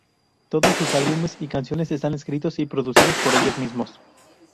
Todos sus álbumes y canciones están escritos y producidos por ellos mismos.